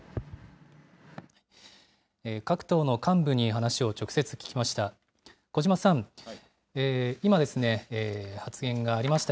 各党の幹部に話を直接聞きました。